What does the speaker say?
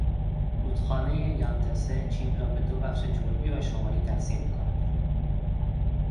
رود خانهٔ یان تسه چین را به دو بخش جنوبی و شمالی تقسیم میکند.